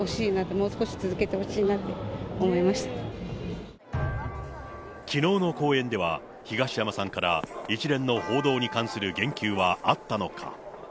もう少し続けてほしいなって思いきのうの公演では、東山さんから、一連の報道に関する言及はあったのか。